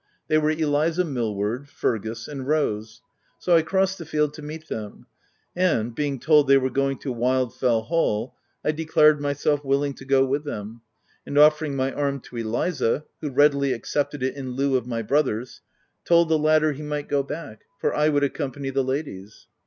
They were Eliza Millward, Fergus and Rose ; so I crossed the field to meet them ; and, being told they were going to Wildfell Hall, I declared myself willing to go with them, and offering my arm to Eliza, who readily accepted it in lieu of my brother's, told the latter he might go back, for I would accompany the ladies.